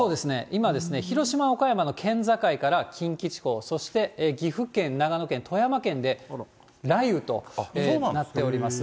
今、広島、岡山の県境から近畿地方、そして岐阜県、長野県、富山県で雷雨となっております。